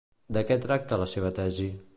De què tracta la seva tesi?